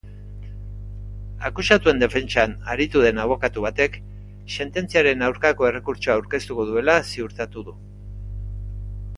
Akusatuen defentsan aritu den abokatu batek sententziaren aurkako errekurtsoa aurkeztuko dutela ziurtatu du.